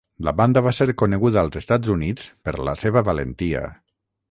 La banda va ser coneguda als Estats Units per la seva valentia.